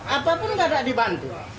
apapun tidak ada dibantu